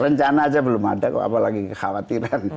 rencana aja belum ada kok apalagi kekhawatiran